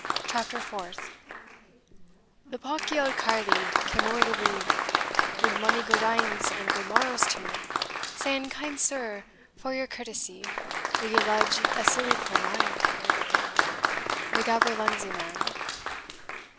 CHAPTER FOURTH. The pawkie auld carle cam ower the lea, Wi' mony good e'ens and good morrows to me, Saying, Kind Sir, for your courtesy, Will ye lodge a silly puir man? The Gaberlunzie Man.